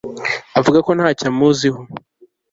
avuga ko ntacyo amuziho